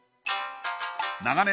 長年